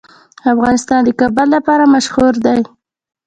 افغانستان د کابل لپاره مشهور دی.